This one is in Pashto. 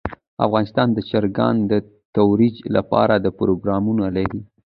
افغانستان د چرګان د ترویج لپاره پروګرامونه لري.